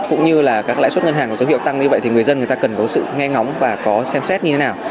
cũng như là các lãi suất ngân hàng có dấu hiệu tăng như vậy thì người dân người ta cần có sự nghe ngóng và có xem xét như thế nào